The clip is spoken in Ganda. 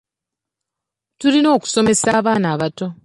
Tulina okusomesa abaana abato.